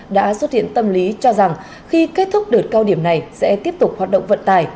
đã xuất hiện tâm lý cho rằng khi kết thúc đợt cao điểm này sẽ tiếp tục hoạt động vận tài